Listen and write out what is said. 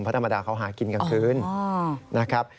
เพราะธรรมดาเขาหากินกลางคืนนะครับ